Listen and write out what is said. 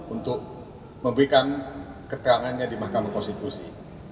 untuk memberikan keterangannya di mahkamah konstitusi